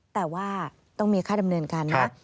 แต่ว่าต้องมีค่าดำเนินการนะ